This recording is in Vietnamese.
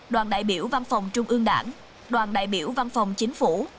đoàn đại biểu văn phòng trung ương đảng đoàn đại biểu văn phòng chính phủ